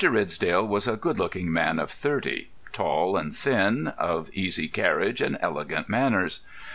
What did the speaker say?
Ridsdale was a good looking man of thirty, tall and thin, of easy carriage and elegant manners.